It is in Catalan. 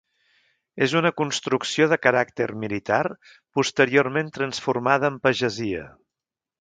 És una construcció de caràcter militar, posteriorment transformada en pagesia.